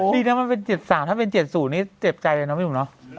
ดีนะมันเป็นเจ็ดสามถ้าเป็นเจ็ดศูนย์นี้เจ็บใจเลยนะไม่รู้เหรอ